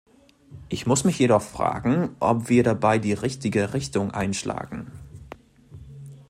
Ich muss mich jedoch fragen, ob wir dabei die richtige Richtung einschlagen.